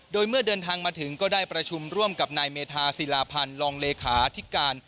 โดยเมื่อเดินทางมาถึงก็ได้ประชุมร่วมกับนายเมธาศิลาพันธ์รองเลขาธิการ